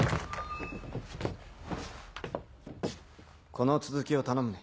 この続きを頼むね。